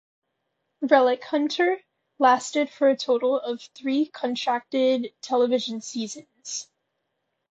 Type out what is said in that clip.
"Relic Hunter" lasted for a total of three contracted television seasons.